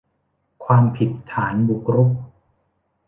ความผิดฐานบุกรุก